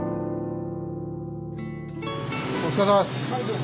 お疲れさまです。